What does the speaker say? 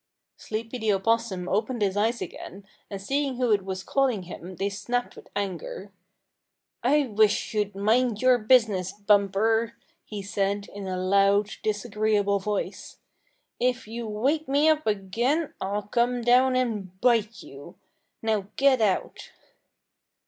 Sleepy the Opossum opened his eyes again, and seeing who it was calling him they snapped with anger. "I wish you'd mind your business, Bumper!" he said in a loud, disagreeable voice. "If you wake me up again I'll come down and bite you. Now get out!"